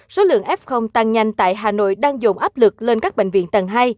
số lượng f tăng nhanh tại hà nội đang dồn áp lực lên các bệnh viện tầng hai